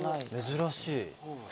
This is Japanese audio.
珍しい。